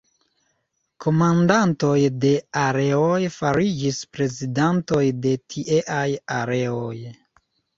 Komandantoj de areoj fariĝis prezidantoj de tieaj areoj.